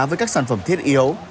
với các sản phẩm thiết yếu